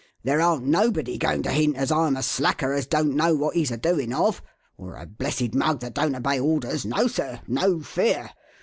"There aren't nobody going to hint as I'm a slacker as don't know what he's a doing of, or a blessed mug that don't obey orders; no, sir no fear!